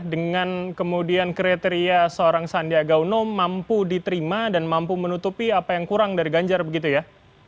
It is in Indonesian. dengan kemudian kriteria seorang sandiaga uno mampu diterima dan mampu menutupi apa yang kurang dari ganjar begitu ya